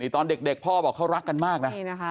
ตอนเด็กพ่อบอกเขารักกันมากนะ